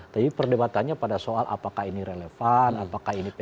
tapi perdebatannya pada soal apakah ini relevan apakah ini p tiga